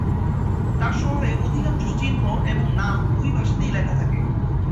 তবে শহরের অধিকাংশ চিহ্ন এবং নাম দুই ভাষাতেই লেখা থাকে।